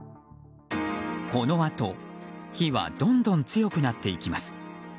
このあと、火はどんどん強くなっていきます。